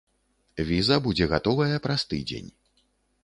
Віза будзе гатовая праз тыдзень.